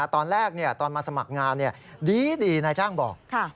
ตอนแรกตอนมาสมัครงานดีนายจ้างบอก